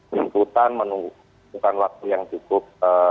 penyimputan menunggu bukan waktu yang cukup